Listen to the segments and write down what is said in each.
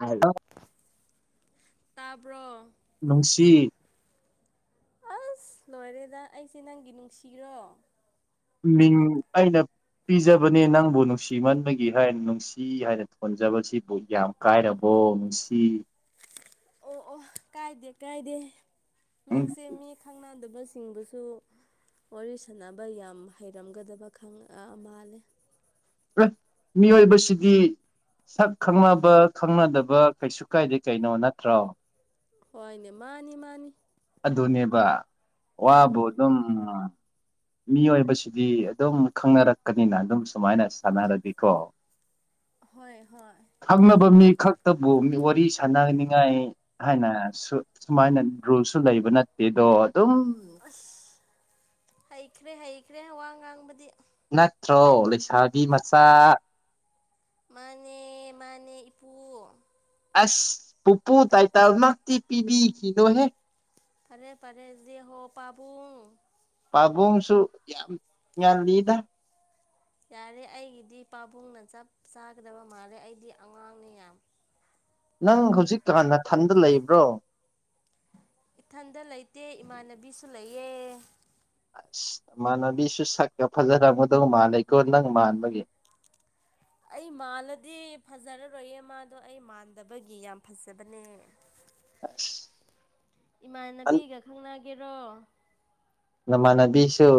Hello ꯇꯥꯕ꯭ꯔꯣ ꯅꯨꯡꯁꯤ ꯑꯁ ꯂꯣꯏꯔꯦꯗ ꯑꯩꯁꯦ ꯅꯪꯒꯤ ꯅꯨꯡꯁꯤꯔꯣ ꯃꯤ ꯑꯩꯅ ꯄꯤꯖꯕꯅꯦ ꯅꯪꯕꯨ ꯅꯨꯡꯁꯤꯃꯟꯕꯒꯤ ꯍꯥꯏ ꯅꯨꯡꯁꯤ ꯍꯥꯏꯅ ꯊꯣꯟꯖꯕꯁꯤꯕꯨ ꯌꯥꯝ ꯀꯥꯏꯔꯕꯣ ꯑꯣ ꯉꯁꯤ ꯑꯣ ꯑꯣ ꯀꯥꯏꯗꯦ ꯀꯥꯏꯗꯦ ꯎꯝ ꯅꯪꯁꯦ ꯃꯤ ꯈꯪꯅ ꯇꯕ ꯁꯤꯡꯕꯨꯁꯨ ꯋꯥꯔꯤ ꯁꯥꯟꯅꯕ ꯌꯥꯝ ꯍꯩꯔꯝꯒꯗꯕ ꯈ ꯃꯥꯜꯂꯦ ꯃꯤꯑꯣꯏꯕꯁꯤꯗꯤ ꯁꯛ ꯈꯪꯅꯕ ꯈꯪꯅꯗꯕ ꯀꯩꯁꯨ ꯀꯥꯏꯗꯦ ꯀꯩꯅꯣ ꯅꯠꯇ꯭ꯔꯣ ꯍꯣꯏꯅꯦ ꯃꯥꯅꯤ ꯃꯥꯅꯤ ꯑꯗꯨꯅꯦꯕ ꯋꯥꯕꯨ ꯎꯝ ꯑꯗꯨꯝ ꯃꯤꯑꯣꯏꯕꯁꯤꯗꯤ ꯑꯗꯨꯝ ꯈꯪꯅꯔꯛꯀꯅꯤꯅ ꯑꯗꯨꯝ ꯁꯨꯃꯥꯏꯅ ꯁꯥꯟꯅꯔꯒꯀꯣ ꯍꯣꯏ ꯍꯣꯏ ꯈꯪꯅꯕ ꯃꯤ ꯈꯛꯇꯕꯨ ꯋꯥꯔꯤ ꯁꯥꯟꯅꯅꯤꯉꯥꯏ ꯍꯥꯏꯅ ꯁꯨꯃꯥꯏꯅ ꯔꯨꯜꯁꯨ ꯂꯩꯕ ꯅꯠꯇꯦ ꯑꯗꯣ ꯑꯗꯨ ꯑꯁ ꯍꯩꯈ꯭ꯔꯦ ꯍꯩꯈ꯭ꯔꯦꯅ ꯋꯥ ꯉꯥꯡꯕꯗꯤ ꯅꯠꯇ꯭ꯔꯣ ꯂꯩꯁꯥꯕꯤ ꯃꯆꯥ ꯃꯥꯅꯦ ꯃꯥꯅꯦ ꯏꯄꯨ ꯑꯁ ꯄꯨꯄꯨ ꯇꯥꯏꯇꯥꯜꯃꯇꯤ ꯄꯤꯕꯤꯈꯤꯅꯣꯍꯦ ꯐꯔꯦ ꯐꯔꯦꯗꯤ ꯍꯣ ꯄꯥꯕꯨꯨꯡ ꯄꯥꯕꯨꯡꯁꯨ ꯌꯥꯝ ꯉꯜꯂꯤꯗ ꯌꯥꯔꯦ ꯑꯩꯒꯤꯗꯤ ꯄꯥꯕꯨꯡꯅ ꯆꯞ ꯆꯥꯒꯗꯕ ꯃꯥꯜꯂꯦ ꯑꯩꯗꯤ ꯑꯉꯥꯡꯅꯦ ꯌꯥꯝ ꯅꯪ ꯍꯧꯖꯤꯛꯀꯥꯟꯅ ꯊꯟꯗ ꯂꯩꯕ꯭ꯔꯣ ꯏꯊꯟꯗ ꯂꯩꯇꯦ ꯏꯃꯥꯟꯅꯕꯤꯁꯨ ꯂꯩꯌꯦꯦ ꯑꯁ ꯏꯃꯥꯟꯅꯕꯤꯁꯨ ꯁꯛꯀ ꯐꯖꯔ ꯃꯗꯧ ꯃꯥꯥꯟꯅꯩꯀꯣ ꯅꯪ ꯃꯥꯟꯕꯒꯤ ꯑꯩ ꯃꯥꯜꯂꯗꯤ ꯐꯖꯔꯔꯣꯏꯌꯦ ꯃꯥ ꯑꯗꯣ ꯑꯩ ꯃꯥꯟꯗꯕꯒꯤ ꯌꯥꯝ ꯐꯖꯕꯅꯦ ꯑ ꯏꯃꯥꯟꯅꯕꯤꯒ ꯈꯪꯅꯒꯦꯔꯣ ꯅꯃꯥꯟꯅꯕꯤꯁꯨ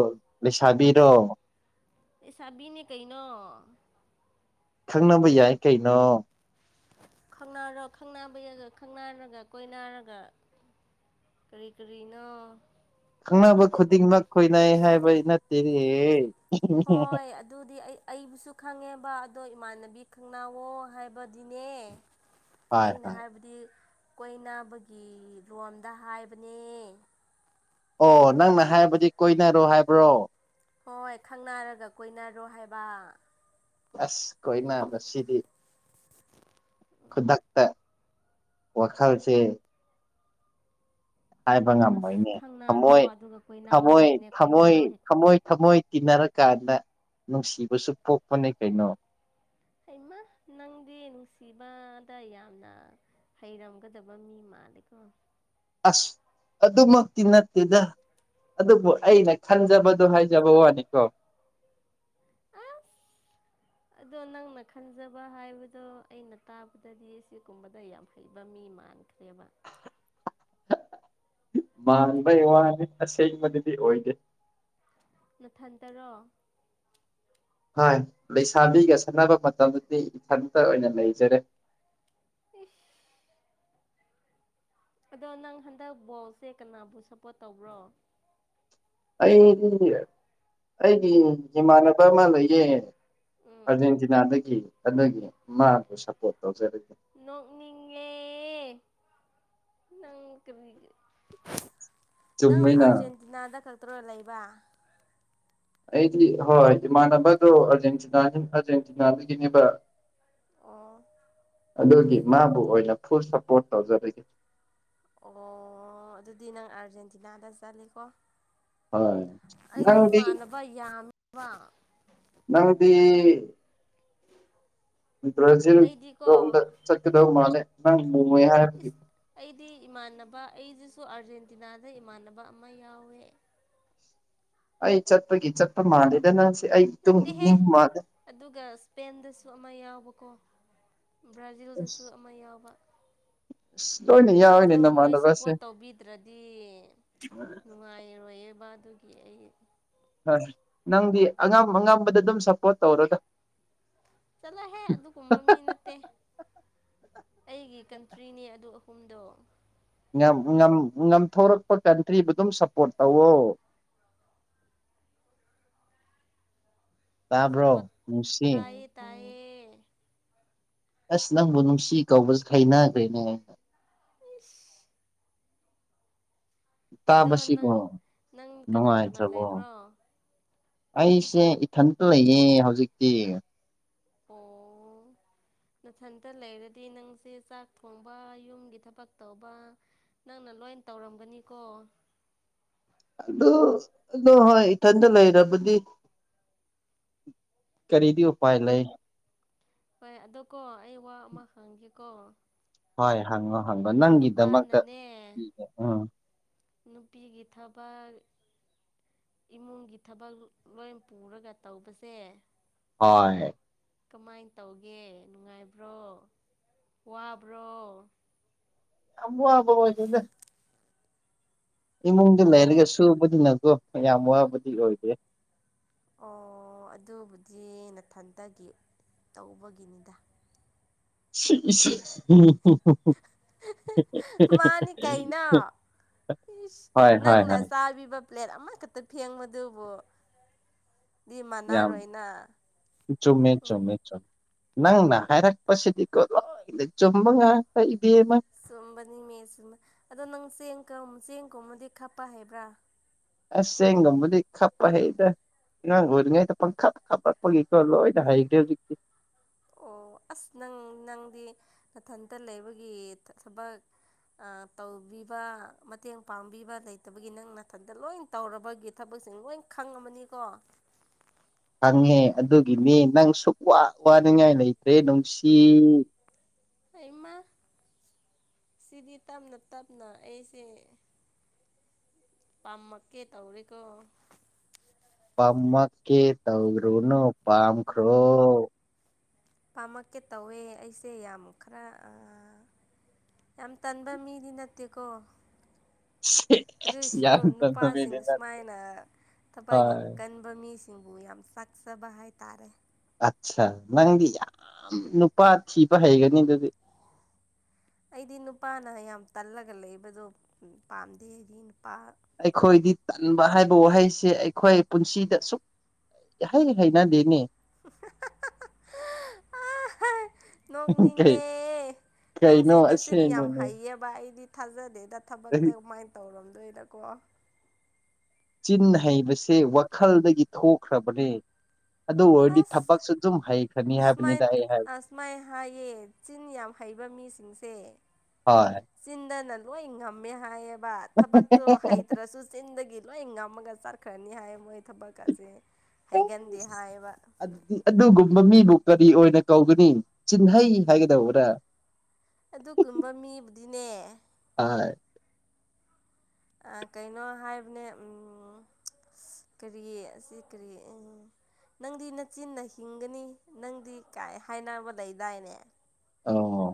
ꯂꯩꯁꯥꯕꯤꯔꯣ ꯑꯦꯁꯕꯤꯅꯦ ꯀꯩꯅꯣ ꯈꯪꯅꯕ ꯌꯥꯏ ꯀꯩꯅꯣ ꯈꯔꯣ ꯈꯪ ꯅꯥꯕꯒ ꯈꯪ ꯔꯒ ꯀꯣꯏꯅꯔꯒ ꯀꯔꯤ ꯀꯔꯤꯅ ꯈꯪꯅꯕ ꯑꯦ ꯍꯣꯏ ꯑꯗꯨꯗꯤ ꯑꯩ ꯑꯩꯕꯨꯁꯨ ꯈꯪꯉꯦꯕ ꯑꯗꯣ ꯏꯃꯥꯟꯅꯕꯤ ꯈꯪꯅꯥꯎꯋꯣ ꯍꯥꯏꯕꯗꯤꯅꯦ ꯍꯣꯏ ꯑꯩꯅ ꯍꯣꯏ ꯍꯥꯏꯕꯗꯤ ꯀꯣꯏꯕꯒꯤ ꯔꯣꯝꯗ ꯍꯥꯏꯕꯅꯦ ꯑꯣ ꯅꯪꯅ ꯍꯥꯏꯕꯗꯤ ꯀꯣꯏꯅꯔꯣ ꯍꯥꯏꯕ꯭ꯔꯣ ꯍꯣꯏ ꯈꯪꯅꯔꯒ ꯀꯣꯏꯅꯔꯣ ꯍꯥꯏꯕ ꯑꯁ ꯀꯣꯏ ꯅꯥꯕ ꯁꯤꯗꯤ ꯈꯨꯗꯛꯇ ꯋꯥꯈꯜꯁꯦ ꯍꯥꯏꯕ ꯑꯁ ꯉꯝꯃꯣꯏꯅꯦ ꯈꯪꯅꯔꯣ ꯊꯝꯃꯣꯏ ꯑꯗꯨꯒ ꯀꯣꯏꯅꯥꯎ ꯊꯝꯃꯣꯏ ꯍꯥꯏꯕꯅꯦ ꯊꯝꯃꯣꯏ ꯀꯣꯏꯅꯥꯔꯣ ꯍꯦꯛ ꯊꯝꯃꯣꯏ ꯊꯝꯃꯣꯏ ꯇꯤꯟꯅꯔꯀꯥꯟꯗ ꯅꯨꯡꯁꯤꯕꯁꯨ ꯄꯣꯛꯄꯅꯦ ꯀꯩꯅꯣ ꯍꯃꯥ ꯅꯪꯗꯤ ꯅꯨꯡꯁꯤꯕꯗ ꯌꯥꯝꯅ ꯍꯩꯔꯝꯒꯗꯕ ꯃꯤ ꯃꯥꯜꯂꯦꯀꯣ ꯑꯁ ꯑꯗꯨꯃꯛꯇꯤ ꯅꯠꯇꯦꯗ ꯑꯗꯨꯕꯨ ꯑꯩꯅ ꯈꯟꯖꯕꯗꯣ ꯍꯥꯏꯖꯕ ꯋꯥꯅꯤꯀꯣ ꯑꯁ ꯑꯗꯣ ꯅꯪꯅ ꯈꯟꯖꯕ ꯍꯥꯏꯕꯗꯣ ꯑꯩꯅ ꯇꯥꯕꯗꯗꯤ ꯁꯤꯒꯨꯝꯕꯗ ꯌꯥꯝ ꯍꯩꯕ ꯃꯤ ꯑꯃ ꯃꯥꯅ ꯀ꯭ꯔꯦꯕ [unintelligible] ꯃꯥꯡꯕꯩ ꯋꯥꯅꯤ ꯑꯁꯦꯡꯕꯗꯨꯗꯤ ꯑꯣꯏꯗꯦ ꯃꯊꯟ ꯇꯔꯣ ꯍꯥꯏ ꯂꯩꯁꯥꯕꯤꯒ ꯁꯥꯟꯅꯕ ꯃꯇꯝꯗꯨꯗꯤ ꯏꯊꯟꯇ ꯑꯣꯏꯅ ꯂꯩꯖꯔꯦ ꯎ ꯑꯗꯣ ꯅꯪ ꯍꯟꯗꯛ ꯕꯣꯜꯁꯦ ꯀꯅꯥꯕꯨ ꯁꯞꯄꯣꯔꯠ ꯇꯧꯕ꯭ꯔꯣ ꯑꯩꯗꯤ ꯑꯩꯒꯤ ꯏꯃꯥꯟꯅꯕ ꯑꯃ ꯂꯩꯌꯦ꯫ ꯎꯝ ꯑꯥꯔꯖꯦꯟꯇꯤꯅꯥꯗꯒꯤ ꯑꯗꯨꯒꯤ ꯃꯥꯕꯨ ꯁꯄꯣꯠ ꯇꯧꯖꯕꯅꯤ꯫ ꯅꯣꯛꯅꯤꯉꯦ꯫ ꯅꯪ ꯀꯔꯤꯒꯤ ꯅꯪ ꯆꯨꯝꯃꯤꯅ ꯑꯥꯔꯖꯦꯟꯇꯤꯅꯥꯗ ꯈꯛꯇ꯭ꯔꯣ ꯂꯩꯕ? ꯑꯩꯗꯤ ꯍꯣꯏ ꯏꯃꯥꯟꯅꯕꯗꯣ ꯑꯥꯔꯖꯦꯟꯇꯤꯅꯥꯅꯤ ꯑꯥꯔꯖꯦꯟꯇꯤꯅꯥꯗꯒꯤꯅꯦꯕ ꯑꯣ! ꯑꯗꯨꯒꯤ ꯃꯥꯕꯨ ꯑꯣꯏꯅ ꯐꯨꯜ ꯁꯞꯄꯣꯔꯠ ꯇꯧꯖꯔꯒꯦ ꯑꯣ ꯑꯗꯨꯗꯤ ꯅꯪ ꯑꯥꯔꯖꯦꯟꯇꯤꯅꯥꯗ ꯆꯠꯂꯤꯀꯣ ꯍꯣꯏ ꯅꯪꯗꯤ ꯌꯥꯝꯃꯦꯕ ꯅꯪꯗꯤ ꯏ ꯕ꯭ꯔꯥꯖꯤꯜ ꯑꯩꯗꯤꯀꯣ ꯔꯣꯝꯗ ꯆꯠꯀꯗꯧ ꯃꯥꯜꯂꯦ ꯅꯪ ꯃꯣꯏ ꯍꯥꯏꯕꯒꯤ ꯕ ꯑꯩꯁꯤꯁꯨ ꯑꯥꯔꯖꯦꯟꯇꯤꯅꯥꯗ ꯏꯃꯥꯟꯅꯕ ꯑꯃ ꯌꯥꯎꯋꯦ꯫ ꯑꯩ ꯆꯠꯄꯒꯤ ꯆꯠꯄ ꯃꯥꯜꯂꯦꯗ ꯅꯪꯁꯦ꯫ ꯑꯩ ꯇꯨꯡ ꯅꯠꯇꯦꯍꯦ ꯏꯅꯤꯡꯕ ꯃꯥꯜꯂꯦ ꯑꯗꯨꯒ ꯁ꯭ꯄꯦꯟꯗꯁꯨ ꯑꯃ ꯌꯥꯎꯕꯀꯣ꯫ ꯑꯁ ꯕ꯭ꯔꯥꯖꯤꯜꯗꯁꯨ ꯑꯃ ꯌꯥꯎꯕ꯫ ꯑꯁ ꯂꯣꯏꯅ ꯑꯗꯣ ꯌꯥꯎꯏꯅꯦ ꯃꯣꯏ ꯅꯃꯥꯟꯅꯕꯁꯦ ꯁꯞꯄꯣꯔꯠ ꯇꯧꯕꯤꯗ꯭ꯔꯗꯤ ꯅꯨꯡꯉꯥꯏꯔꯣꯏꯌꯦꯕ ꯑꯗꯨꯒꯤ ꯑꯩ ꯍꯣꯏ ꯅꯪꯗꯤ ꯑꯉꯝ-ꯑꯉꯝꯕꯗꯗꯨꯝ ꯁꯞꯄꯣꯔꯠ ꯇꯧꯔꯣꯗ꯫ ꯆꯠꯂꯍꯦ ꯑꯗꯨꯒꯨꯝꯕ ꯃꯤ ꯅꯠꯇꯦ ꯑꯩꯒꯤ ꯀꯟ ꯇ꯭ꯔꯤꯅꯦ ꯑꯗꯨ ꯑꯍꯨꯝꯗꯣ꯫ ꯉꯝ-ꯉꯝ-ꯉꯝꯊꯣꯔꯛꯄ ꯀꯟꯇ꯭ꯔꯤꯕꯨꯗꯨꯝ ꯁꯞꯄꯣꯔꯠ ꯇꯧꯋꯣ꯫ [inaudible] ꯇꯥꯕ꯭ꯔꯣ ꯁꯞꯄꯣꯔꯠ ꯅꯨꯡꯁꯤ ꯇꯥꯏꯌꯦ ꯇꯥꯏꯌꯦ ꯑꯁ! ꯅꯪꯕꯨ ꯅꯨꯡꯁꯤ ꯀꯧꯕꯁ ꯍꯩꯅꯗꯦꯅꯦ ꯑꯩꯅ ꯏꯁꯁ ꯑꯗꯣ ꯇꯥꯕꯁꯤꯕꯨ ꯅꯪ -ꯅꯪ ꯀꯅꯥ- ꯀꯅꯥ ꯅꯨꯡꯉꯥꯏꯇ꯭ꯔꯕꯣ ꯂꯩꯕ꯭ꯔꯣ? ꯑꯩꯁꯦ ꯏꯊꯟꯇ ꯂꯩꯌꯦ ꯍꯧꯖꯤꯛꯇꯤ꯫ ꯑꯣ [unintelligible] ꯅꯊꯟꯇ ꯂꯩꯔꯗꯤ ꯅꯪꯁꯦ ꯆꯥꯛ ꯊꯣꯡꯕ ꯌꯨꯝꯒꯤ ꯊꯕꯛ ꯇꯧꯕ ꯅꯪꯅ ꯂꯣꯏꯟ ꯇꯧꯔꯝꯒꯅꯤꯀꯣ꯫ ꯑꯗꯨ ꯑꯗꯣ ꯍꯣꯏ ꯏꯊꯟꯇ ꯂꯩꯔꯕꯗꯤ ꯀꯔꯤꯗꯤ ꯎꯄꯥꯏ ꯂꯩ꯫ ꯍꯣꯏ ꯑꯗꯣ ꯀꯣ ꯑꯩ ꯋꯥ ꯑꯃ ꯍꯪꯒꯦꯀꯣ ꯍꯣꯏ ꯍꯪꯉꯣ ꯍꯪꯉꯣ ꯅꯪꯒꯤꯗꯃꯛꯇ ꯅꯨꯄꯥꯅꯅꯦ ꯄꯤꯒꯦ ꯎꯝ ꯅꯨꯄꯤꯒꯤ ꯊꯕꯛ ꯏꯃꯨꯡꯒꯤ ꯊꯕꯛ ꯂꯣꯏ ꯄꯨꯔꯒ ꯇꯧꯕꯁꯦ ꯍꯣꯏ ꯀꯃꯥꯏꯟ ꯇꯧꯒꯦ ꯅꯨꯡꯉꯥꯏꯕ꯭ꯔꯣ? ꯋꯥꯕ꯭ꯔꯣ? ꯌꯥꯝ ꯋꯥꯕ ꯑꯣꯏꯗꯦꯗ ꯏꯃꯨꯡꯗ ꯑꯣ ꯂꯩꯔꯒ ꯁꯨꯕꯅꯤꯅꯀꯣ ꯌꯥꯝ ꯋꯥꯕꯗꯤ ꯑꯣꯏꯗꯦ꯫ ꯑꯣ ꯑꯗꯨꯕꯨꯗꯤ ꯅꯊꯟꯇꯒꯤ ꯇꯧꯕꯒꯤꯅꯤꯗ꯫ ꯁꯤ-ꯏ-ꯁꯦ ꯃꯥꯅꯤ ꯀꯩꯅꯣ ꯏꯁ ꯍꯣꯏ ꯍꯣꯏ ꯅꯪꯅ ꯍꯣꯏ ꯆꯥꯕꯤꯕ ꯄ꯭ꯂꯦꯠ ꯑꯃꯈꯇ ꯐꯦꯡꯕꯗꯨꯕꯨ ꯗꯤ ꯌꯥꯝ ꯃꯥꯟꯅꯔꯣꯏꯅ ꯆꯨꯝꯃꯦ ꯆꯨꯝꯃꯦ ꯆꯨꯝꯃꯦ꯫ ꯅꯪꯅ ꯍꯥꯏꯔꯛꯄꯁꯤꯗꯤꯀꯣ ꯂꯣꯏꯅ ꯆꯨꯝꯕ ꯉꯥꯛꯇ ꯏꯕꯦꯝꯃ ꯆꯨꯝꯕꯅꯤ ꯃꯦ ꯆꯨꯝꯃ ꯑꯗꯣ ꯅꯪ ꯆꯦꯡꯀ ꯆꯦꯡꯀꯨꯝꯃꯗꯤ ꯈꯞꯄ ꯍꯩꯕ꯭ꯔꯥ? ꯑꯁ ꯆꯦꯡꯒꯝꯕꯗꯤ ꯈꯞꯄ ꯍꯩꯗ꯫ ꯑꯉꯥꯡ ꯑꯣꯏꯔꯤꯉꯩꯗ ꯄꯪꯈꯥ ꯄꯪꯈꯥꯞ ꯄꯛꯄꯒꯤꯀꯣ ꯂꯣꯏꯅ ꯍꯩꯈ꯭ꯔꯦ ꯍꯧꯖꯤꯛꯇꯤ ꯑꯣ ꯑꯁ ꯅꯪ ꯅꯪꯗꯤ ꯃꯊꯟꯇ ꯂꯩꯕꯒꯤ ꯊꯕꯛ ꯇꯧꯕꯤꯕ ꯃꯇꯦꯡ ꯄꯥꯡꯕꯤꯕ ꯂꯩꯇꯕꯒꯤ ꯅꯪ ꯃꯊꯟꯇ ꯂꯣꯏ ꯇꯧꯔꯕꯒꯤ ꯊꯕꯛ ꯂꯣꯏ ꯈꯪꯉꯅꯤꯀꯣ [inaudible] ꯍꯪꯉꯦ ꯑꯗꯨꯒꯤꯅꯤ ꯅꯪ ꯁꯨꯛ ꯋꯥ ꯋꯥꯅꯤꯡꯉꯥꯏ ꯂꯩꯇ꯭ꯔꯦ ꯅꯨꯡꯁꯤ ꯑꯩꯃ ꯁꯤꯗꯤ ꯇꯞꯅ ꯇꯞꯅ ꯑꯩꯁꯦ ꯄꯥꯝꯃꯛꯀꯦ ꯇꯧꯔꯤꯀꯣ ꯄꯝꯃ ꯀꯦ ꯇꯧꯔꯨꯅꯨ ꯄꯥꯝꯈ꯭ꯔꯣ ꯄꯥꯝꯃꯛꯀꯦ ꯇꯧꯋꯦ ꯑꯩꯁꯦ ꯌꯥꯝ ꯈꯔ ꯌꯥꯝ ꯇꯟꯕ ꯃꯤꯗꯤ ꯅꯠꯇꯦꯀꯣ ꯁꯦꯁ ꯑꯗꯨꯣꯏꯁꯨ ꯌꯥꯝ ꯅꯨꯄꯥꯁꯤꯡ ꯇꯝꯃꯤꯅꯦ ꯅꯪ ꯁꯨꯃꯥꯏꯅ ꯊꯕꯛ ꯌꯥꯝ ꯍꯣꯏ ꯀꯟꯕ ꯃꯤꯁꯤꯡ ꯁꯤꯡꯕꯨ ꯌꯥꯝ ꯁꯥꯛꯆꯕ ꯍꯥꯏꯇꯥꯔꯦ ꯑꯠ ꯅꯪꯗꯤ ꯌꯥꯝ ꯅꯨꯄꯥ ꯊꯤꯕ ꯍꯩꯒꯅꯤ ꯑꯗꯨꯗꯤ ꯑꯩꯗꯤ ꯅꯨꯄꯥꯅ ꯌꯥꯝ ꯇꯜꯂꯒ ꯂꯩꯕꯗꯣ ꯄꯥꯝꯗꯦ ꯑꯩꯗꯤ ꯅꯨꯄꯥ ꯑꯩꯈꯣꯏꯗꯤ ꯇꯟꯕ ꯍꯥꯏꯕ ꯋꯥꯍꯩꯁꯦ ꯑꯩꯈꯣꯏ ꯄꯨꯟꯁꯤꯗ ꯁꯁꯨꯛ ꯍꯩ ꯍꯥꯏꯅꯗꯦꯅꯦ ꯅꯣꯛꯅꯤꯡꯉꯦ ꯅꯪ ꯀꯩꯅꯣ ꯁꯤ ꯅ ꯁꯤꯅꯤ ꯌꯥꯝ ꯑꯁꯦꯡꯕꯅꯦ ꯍꯩꯌꯦꯕ ꯑꯩꯗꯤ ꯊꯥꯖꯗꯦꯗ ꯊꯕꯛꯇ ꯀꯃꯥꯏꯅ ꯇꯧꯔꯝꯗꯣꯏꯔꯀꯣ ꯆꯤꯟ ꯍꯩꯕꯁꯦ ꯋꯥꯈꯜꯗꯒꯤ ꯊꯣꯛꯈ꯭ꯔꯕꯅꯦ ꯑꯗꯨ ꯍꯔꯗꯤ ꯊꯛꯛꯁꯨ ꯑꯗꯨ ꯍꯩ ꯁꯨ ꯑꯁꯃꯥꯏꯅ ꯍꯥꯏꯌꯦ ꯆꯤꯟ ꯌꯥꯝ ꯍꯩꯕ ꯃꯤꯁꯤꯡꯁꯦ ꯍꯣꯏ ꯁꯤꯟ ꯅꯜꯋꯥꯣ ꯏꯝꯃꯦ ꯍꯥꯏ ꯊꯕꯛꯇꯣ ꯍꯩꯇ꯭ꯔꯁꯨ ꯆꯤꯟꯗꯒꯤ ꯂꯣꯏ ꯉꯝꯃꯒ ꯆꯠꯈ꯭ꯔꯅꯤ ꯍꯥꯏ ꯃꯣꯏ ꯊꯕꯛ ꯑꯁꯦ ꯍꯩꯒꯟꯗꯦ ꯍꯥꯏꯕ ꯑꯩꯕꯨ ꯀꯔꯤ ꯑꯣꯏꯅ ꯀꯧꯒꯅꯤ ꯆꯤꯟꯍꯩ ꯍꯥꯏꯒꯗꯧꯕꯔ ꯑꯗꯨꯒꯨꯝꯕ ꯃꯤꯕꯨꯗꯤꯅꯦ ꯍ ꯑ ꯀꯩꯅꯣ ꯍꯥꯏꯕꯅꯦ ꯎꯝ ꯀꯔꯤ ꯑꯁꯤ ꯀꯔꯤ ꯅꯪꯗꯤ ꯅꯆꯤꯟꯅ ꯍꯤꯡꯒꯅꯤ ꯅꯪꯗꯤ ꯀꯥꯏ ꯍꯥꯏꯅꯕ ꯂꯩꯗꯥꯏꯅꯦ ꯑꯧ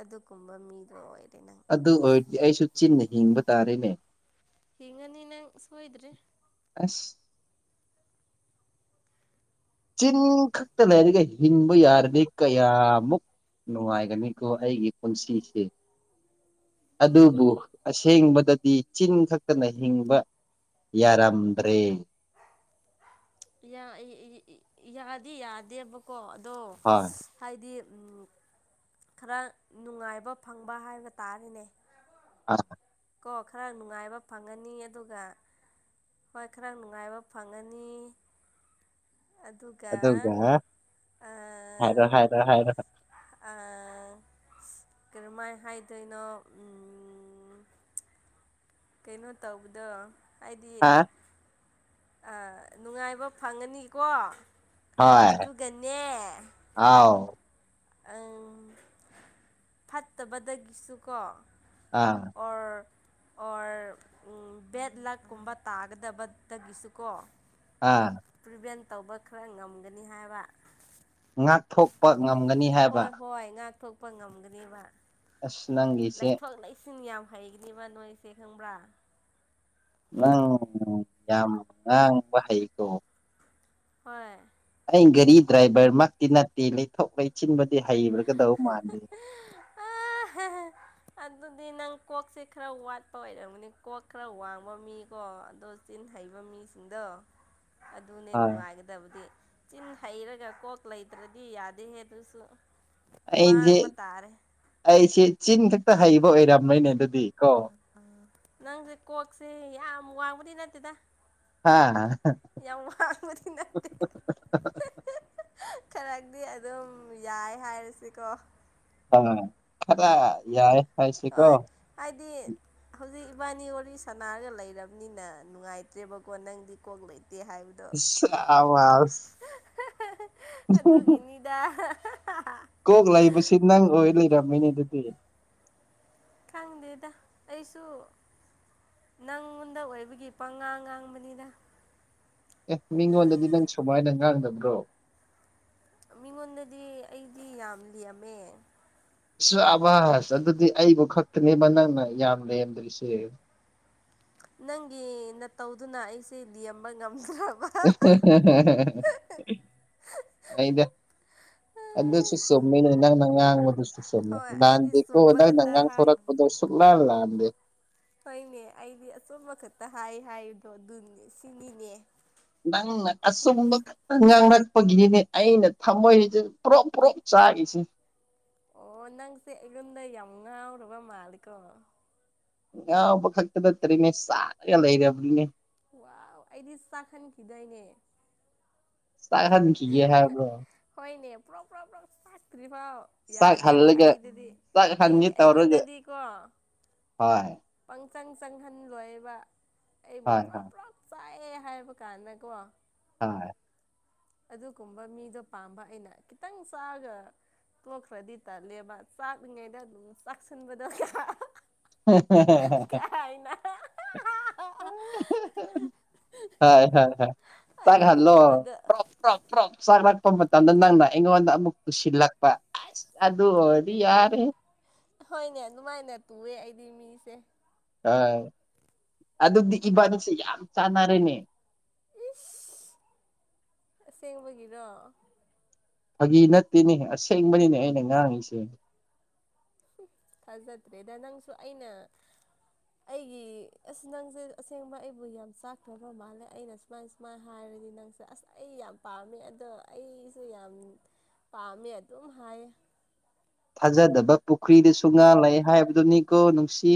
ꯑꯗꯨꯒꯨꯝꯕ ꯃꯤꯗꯣ ꯑꯣꯏ ꯑꯗꯨ ꯑꯣꯏꯔꯗꯤ ꯑꯩꯁꯨ ꯆꯤꯟꯅ ꯍꯤꯡꯕ ꯇꯥꯔꯦꯅꯦ ꯍꯪꯒꯅꯤ ꯅꯪꯗꯤ ꯁꯣꯏꯗ꯭ꯔꯦ ꯑꯁ ꯆꯤꯟ ꯈꯛꯇ ꯂꯩꯔꯤꯒꯩ ꯍꯤꯡꯕ ꯌꯥꯔꯘꯤ ꯀꯌꯥꯃꯨꯛ ꯅꯨꯡꯉꯥꯏꯒꯅꯤꯀꯣ ꯑꯩꯒꯤ ꯄꯨꯟꯁꯤꯁꯦ ꯑꯗꯨꯕꯨ ꯎꯝ ꯑꯁꯦꯡꯕꯗ ꯗꯤ ꯆꯤꯟ ꯈꯛꯇꯅ ꯍꯤꯡꯕ ꯌꯥꯔꯝꯗ꯭ꯔꯦ ꯌꯥ ꯏ ꯏ ꯏ ꯌꯥꯗꯤ ꯌꯥꯗꯦꯕꯀꯣ ꯑꯗꯣ ꯍꯣꯏ ꯍꯥꯏꯗꯤ ꯈꯔ ꯅꯨꯡꯉꯥꯏꯕ ꯐꯪꯕ ꯍꯥꯏꯕ ꯇꯥꯔꯦꯅꯦ ꯑꯁ ꯀꯣ ꯈꯔ ꯅꯨꯡꯉꯥꯏꯕ ꯐꯪꯉꯅꯤ ꯑꯗꯨꯒ ꯍꯣꯏ ꯈꯔ ꯅꯨꯡꯉꯥꯏꯕ ꯐꯪꯉꯅꯤ ꯑꯗꯨꯒ ꯍꯥꯏꯔꯣ ꯑꯥ ꯍꯥꯏꯔꯣ ꯍꯥꯏꯔꯣ ꯑꯥ ꯀꯔꯃꯥꯏ ꯍꯥꯏꯗꯣꯏꯅꯣ ꯎꯝ ꯀꯩꯅꯣ ꯇꯧꯕꯗꯣ ꯍꯥꯏꯗꯤ ꯍꯥ ꯑꯥ ꯅꯨꯡꯉꯥꯏꯕ ꯐꯪꯡꯒꯅꯤꯀꯣ ꯍꯣꯏ ꯑꯥꯎ ꯎꯝ ꯐꯠꯇꯕꯗꯒꯤꯁꯨ ꯀꯣ ꯑꯥ ꯑꯣꯔ ꯎ ꯕꯦꯠ ꯂꯥꯛꯀꯨꯝꯕ ꯇꯥꯒꯗꯕꯗꯒꯤꯁꯨ ꯀꯣ ꯑꯥ ꯇꯧꯕ ꯈꯔ ꯉꯝꯒꯅꯤ ꯍꯥꯏꯕ ꯉꯥꯛꯊꯣꯛꯄ ꯉꯝ ꯍꯣꯏ ꯍꯣꯏ ꯉꯥꯛꯊꯣꯛꯄ ꯉꯝꯒꯅꯦꯕ ꯑꯁ ꯅꯪꯒꯤꯁꯦ ꯁꯤꯟ ꯌꯥꯝ ꯍꯩꯒꯅꯦꯕ ꯅꯣꯏꯁꯦ ꯈꯪꯕ꯭ꯔꯥ ꯅꯪ ꯌꯥꯝ ꯉꯥꯡꯕ ꯍꯩꯀꯣ ꯍꯣꯏ ꯑꯩ ꯒꯥꯔꯤ ꯗ꯭ꯔꯥꯏꯚꯔ ꯃꯛꯇꯤ ꯅꯠꯇꯦ ꯂꯩꯊꯣꯛ ꯂꯩꯁꯤꯟꯕꯨꯗꯤ ꯍꯩꯒꯗꯧꯕ ꯃꯥꯜꯗꯦ [unintelligible] ꯑꯗꯨꯗꯤ ꯅꯪ ꯀꯣꯛꯁꯦ ꯈꯔ ꯋꯥꯠꯄ ꯑꯣꯏꯔꯝꯒꯅꯤ ꯀꯣꯛ ꯈꯔ ꯋꯥꯡꯕ ꯃꯤꯀꯣ ꯑꯗꯣ ꯆꯤꯟꯍꯩ ꯍꯩꯕꯕ ꯃꯤꯁꯤꯡꯗ ꯑꯗꯨꯅꯦ ꯍꯣꯏ ꯅꯨꯡꯉꯥꯏꯒꯗꯕꯗꯤ ꯆꯤꯟ ꯍꯩꯔꯒ ꯀꯣꯛ ꯂꯩꯇ꯭ꯔꯗꯤ ꯌꯥꯗꯦꯍꯦ ꯑꯗꯨꯁꯨ ꯑꯩꯖꯦ ꯃꯥꯡꯕ ꯇꯥꯔꯦ ꯑꯩꯁꯦ ꯆꯤꯟ ꯈꯛꯇ ꯍꯩꯕ ꯑꯣꯏꯔꯝꯃꯦꯅꯦ ꯑꯗꯨ ꯅꯪꯁꯦ ꯀꯣꯛꯁꯦ ꯌꯥꯝ ꯋꯥꯡꯕꯗꯤ ꯅꯠꯇꯦꯗ ꯍꯥꯉ ꯌꯥꯝ ꯋꯥꯡꯕꯗꯤ ꯅꯠꯇꯦ ꯈꯔꯗꯤ ꯑꯗꯨꯝ ꯌꯥꯏ ꯍꯥꯏꯔꯁꯤꯀꯣ ꯑꯥ ꯈꯔ ꯌꯥꯏ ꯍꯥꯏꯁꯤꯀꯣ ꯍꯣꯏ ꯍꯥꯏꯗꯤ ꯍꯧꯖꯤꯛ ꯏꯕꯥꯅꯤ ꯋꯥꯔꯤ ꯁꯅꯥꯔꯒ ꯂꯩꯔꯕꯅꯤꯅ ꯅꯨꯡꯉꯥꯏꯇ꯭ꯔꯦꯕꯀꯣ ꯅꯪꯗꯤ ꯀꯣꯛ ꯂꯩꯇ ꯅꯠꯇꯦ ꯍꯥꯏꯕꯗꯣ ꯏꯁ ꯑꯗꯨꯒꯤꯅꯤꯗ ꯀꯣꯛ ꯂꯩꯕꯁꯤ ꯅꯪ ꯑꯣꯏ ꯂꯩꯔꯝꯃꯤꯅꯦ ꯑꯗꯨꯗꯤ ꯂꯩꯗꯦꯗ ꯑꯩꯁꯨ ꯅꯪꯉꯣꯟꯗ ꯑꯣꯏꯕꯒꯤ ꯄꯪꯉꯥꯡ ꯉꯥꯡꯕꯅꯤꯗ ꯑꯦ ꯃꯤꯉꯣꯟꯗꯗꯤ ꯅꯪ ꯁꯨꯃꯥꯏꯅ ꯉꯥꯡꯗꯕ꯭ꯔꯣ ꯃꯤꯉꯣꯟꯗꯗꯤ ꯑꯩꯗꯤ ꯌꯥꯝ ꯂꯦꯝꯃꯦ ꯁꯥꯕꯁ ꯑꯗꯨꯗꯤ ꯑꯩꯕꯨ ꯈꯛꯇꯅꯦꯕ ꯅꯪꯅ ꯌꯥꯝ ꯂꯦꯝꯗꯔꯤꯁꯦ [unintelligible] ꯅꯪꯒꯤ ꯅꯇꯧꯗꯨꯅ ꯑꯩꯁꯦ ꯌꯦꯡꯕꯉꯝ ꯑꯍꯦ ꯍꯦ ꯑꯍ ꯑꯍ ꯑꯍ ꯑꯍ ꯑꯩꯗꯦ ꯑꯗꯨꯁꯨ ꯆꯨꯝꯃꯤꯅꯦ ꯅꯪꯅ ꯉꯥꯡꯉꯤꯗꯨꯁꯨ ꯆꯨꯝꯃꯦ ꯍꯣꯏ ꯑꯩꯗꯤ ꯂꯥꯟꯗꯦꯀꯣ ꯆꯨꯝꯕ ꯅꯪꯅ ꯈꯛꯇ ꯉꯥꯡ ꯍꯥꯏ ꯊꯣꯔꯛꯄꯗꫭ ꯁꯨꯛ ꯂꯥꯟ ꯂꯥꯟꯗꯦ ꯍꯣꯏꯅꯦ ꯑꯩꯗꯤ ꯑꯆꯨꯝꯕ ꯈꯛꯇ ꯍꯥꯏ ꯍꯥꯏꯕꯗꯣ ꯑꯗꯨꯅꯦ ꯁꯤꯅꯤꯅꯦ ꯅꯪꯅ ꯑꯆꯨꯝꯕ ꯈꯛꯇ ꯉꯥꯡꯕ ꯕꯒꯤꯅꯤꯅꯦ ꯑꯩꯅ ꯊꯝꯃꯣꯏꯁꯤꯗ ꯄꫭꯔꫭꯛ ꯄꫭꯔꫭꯛ ꯆꯥꯛꯏꯁꯤ ꯑꯣ ꯅꯪꯁꯦ ꯑꯩꯉꫭꯟꯗ ꯌꯥꯝ ꯆꯥꯎꯕ ꯃꯥꯜꯂꯤꯀꫭ ꯉꯥꯎꯕ ꯈꯛꯇ ꯅꯠꯇꯔꯤꯅꯦ ꯆꯥꯛꯑꯒ ꯂꯩꯔꯕꯅꯤꯅꯦ ꯋꯥꯎ ꯑꯩꯗꯤ ꯆꯥꯛꯍꯟꯈꯤꯗꫭꯏꯅꯦ ꯆꯥꯛ ꯍꯟꯈꯤꯒꯦ ꯍꯥꯏꯕꯔꫭ ꯍꫭꯏꯅꯦ ꯄꯔꫭꯛ ꯄꯔꫭꯛ ꯄꯔꫭꯛ ꯆꯥꯛꯇꯔꯤ ꯐꯥꯎ ꯌꯥꯗꯦꯕ ꯆꯥꯛꯍꯜꯂꯒ ꯑꯩꯗꯗꯤ ꯑꯩ ꯆꯥꯛꯍꯟꯒꯦ ꯇꯧꯔꯒ ꯑꯩꯉꯣꯟꯗꯗꯤꯀꯣ ꯍꯣꯏ ꯏꯆꯪ ꯆꯪꯍꯜꯂꯣꯏꯕ ꯑꯩꯕꯨ ꯍꯣꯏ ꯄꯔꫭꯛ ꯍꯣꯏ ꯄꯔꫭꯛ ꯆꯥꯛꯑꯦ ꯍꯥꯏꯕ ꯀꯥꯟꯗꯀꯣ ꯍꫭꯏ ꯑꯗꯨꯒꯨꯝꯕ ꯃꯤꯗꯣ ꯄꯥꯝꯕ ꯑꯩꯅ ꯈꯤꯇꯪ ꯆꯥꯛꯑꯒ ꯇꯣꯛꯈ꯭ꯔꯗꯤ ꯇꯜꯂꯦꯕ ꯆꯥꯛꯂꯤꯉꯩꯗ ꯑꯗꯨꯝ ꯆꯥꯛꯁꯤꯟꯕꯗꯣ ꯍꯥ ꯍꯥ ꯍꯥ ꯀꯥꯏꯅ ꯑꯍ ꯑꯍ ꯍ ꯍ ꯍ ꯆꯥꯛꯍꯜꯂꫭ ꯑꯗꯨꯒꯨꯝꯕꯗꯣ ꯄꯔꫭꯛ ꯄꯔꫭꯛ ꯄꯔꫭꯛ ꯆꯥꯛꯂꯛꯄ ꯃꯇꯝꯗ ꯅꯪꯅ ꯑꯩꯉꯣꯟꯗ ꯑꯃꯨꯛ ꯇꯨꯁꯤꯜꯂꯛꯄ ꯑꯁꯤ ꯑꯗꯨ ꯑꫭꯏ ꯍꯣꯏꯅꯦ ꯑꯗꯨꯃꯥꯏꯅ ꯇꯨꯋꯦ ꯑꯩꯗꯤ ꯃꯤꯁꯦ ꯍꫭꯏ ꯑꯗꯨꯗꯤ ꯏꯕꯥꯅꯤꯁꯦ ꯌꯥꯝ ꯆꯥꯟꯅꯔꯦꯅꯦ ꯏꯁ ꯑꯁꯦꯡꯕꯒꯤꯔꯣ ꯐꯥꯒꯤ ꯅꯠꯇꯦꯅꯦ ꯑꯁꯦꯡꯕꯅꯤꯅꯦ ꯑꯩꯅ ꯉꯥꯡꯉꯤꯁꯦ ꯍꯨ ꯐꯖꯗ꯭ꯔꯦꯗ ꯅꯪꯁꯨ ꯑꯩꯅ ꯑꯩꯒꯤ ꯑꯁ ꯅꯪꯁꯦ ꯑꯁꯦꯡꯕ ꯑꯩꯕꯨ ꯌꯥꯝ ꯆꯥꯛꯈꯔꯕ ꯃꯥꯜꯂꯦ ꯑꯩꯅ ꯁꯨꯃꯥꯏ ꯁꯨꯃꯥꯏꯅ ꯍꯥꯏ ꯍꯥꯏꯔꯗꯤ ꯅꯪꯁꯦ ꯑꯁ ꯑꯩ ꯌꯥꯝ ꯄꯥꯝꯃꯦ ꯑꯗꯣ ꯑꯩꯁꯨ ꯌꯥꯝ ꯄꯥꯝꯃꯦ ꯑꯗꯨꯝ ꯍꯥꯏꯌꯦ ꯊꯥꯖꯗꯕ ꯄꯨꯈ꯭ꯔꯤꯗꯁꯨ ꯉꯥ ꯂꯩ ꯍꯥꯏꯕꯗꯨꯅꯤꯀꯣ ꯅꯨꯡꯁꯤ